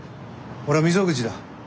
俺は溝口だ。